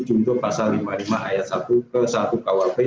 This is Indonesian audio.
junto pasal lima puluh lima ayat satu ke satu kuap